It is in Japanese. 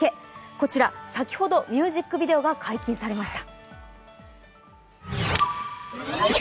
こちら、先ほどミュージックビデオが解禁されました。